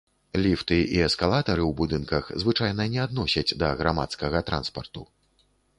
Ліфты і эскалатары ў будынках звычайна не адносяць да грамадскага транспарту.